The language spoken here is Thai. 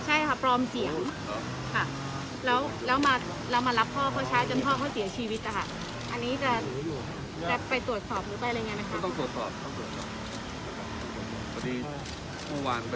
๑๖๘๙อ่ะค่ะแล้วทำพ่อเขาเสียชีวิตอ่ะค่ะ